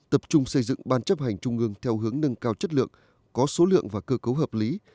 tập trung xây dựng ban chấp hành trung ương theo hướng nâng cao chất lượng có số lượng và cơ cấu hợp lý